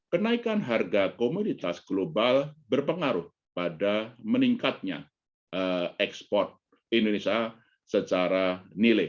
kenaikan harga komoditas global berpengaruh pada meningkatnya ekspor indonesia secara nilai